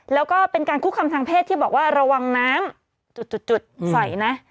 แล้วก็เป็นการคุกคำทางเพศที่บอกว่าระวังน้ำจุดสอยนะ